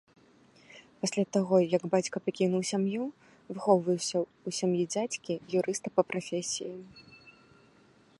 Пасля таго, як бацька пакінуў сям'ю, выхоўваўся ў сям'і дзядзькі, юрыста па прафесіі.